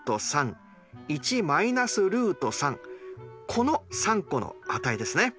この３個の値ですね。